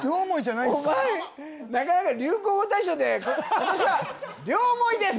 なかなか流行語大賞で今年は「両思い」です